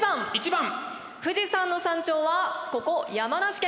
富士山の山頂はここ山梨県。